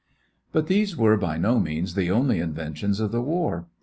But these were by no means the only inventions of the war.